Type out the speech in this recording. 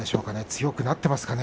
強くなっていますか？